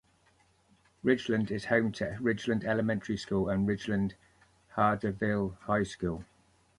Ridgeland is home to Ridgeland Elementary School and Ridgeland-Hardeeville High School.